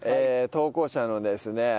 投稿者のですね